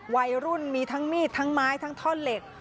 วัยรุ่นมีทั้งมีดทั้งไม้ทั้งท่อนเหล็ก